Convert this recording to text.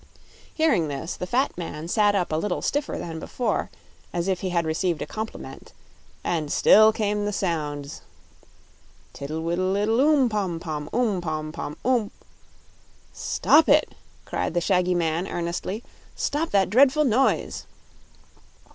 Hearing this, the fat man sat up a little stiffer than before, as if he had received a compliment, and still came the sounds: Tiddle widdle iddle, oom pom pom, Oom pom pom, oom "Stop it!" cried the shaggy man, earnestly. "Stop that dreadful noise."